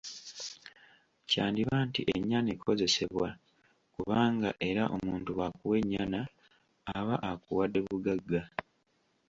Kyandiba nti ennyana ekozesebwa kubanga era omuntu bw’akuwa ennyana, aba akuwadde bugagga.